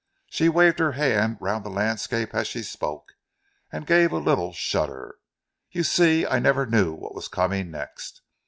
She waved her hand round the landscape as she spoke, and gave a little shudder. "You see I never knew what was coming next.